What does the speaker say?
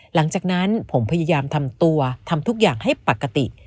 หลังจากนั้นผมพยายามทำตัวทำทุกอย่างให้ปกติ